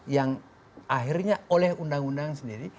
yang akhirnya oleh undang undang sendiri